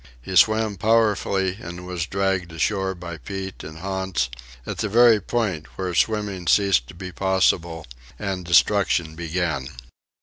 He swam powerfully and was dragged ashore by Pete and Hans at the very point where swimming ceased to be possible and destruction began.